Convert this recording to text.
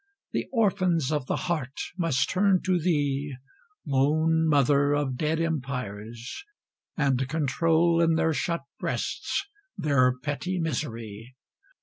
The orphans of the heart must turn to thee, Lone mother of dead empires! and control In their shut breasts their petty misery.